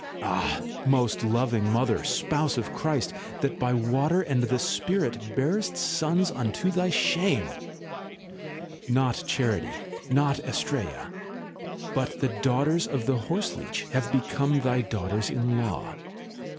Ah ! most loving Mother, Spouse of Christ, that by water and the spirit bearest sons unto thy shame! Not charity, not Astraea, but the daughters of the horseleech have become thy daughters in law.